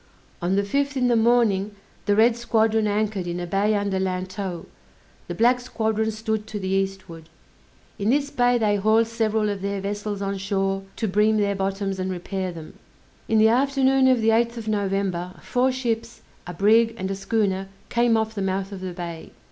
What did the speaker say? On the fifth, in the morning, the red squadron anchored in a bay under Lantow; the black squadron stood to the eastward. In this bay they hauled several of their vessels on shore to bream their bottoms and repair them. In the afternoon of the 8th of November, four ships, a brig and a schooner came off the mouth of the bay.